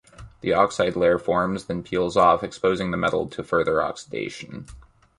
The oxide layer forms then peels off, exposing the metal to further oxidation.